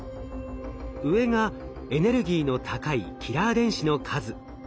上がエネルギーの高いキラー電子の数。